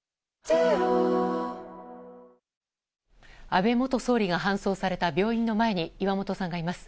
安倍元総理が搬送された病院の前に岩本さんがいます。